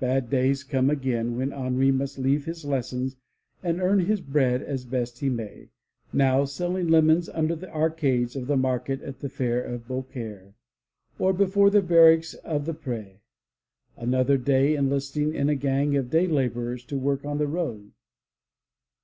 Bad days come again when Henri must leave his lessons and earn his bread as best he may, now selling lemons under the arcades of the market at the fair of Beaucaire, or before the barracks of the Pre, another day enlisting in a gang of day laborers to work on the road.